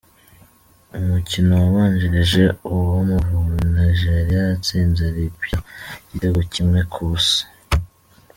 Mu mukino wabanjirije uw’Amavubi, Nigeria yatsinze Libya igitego kimwe ku busa.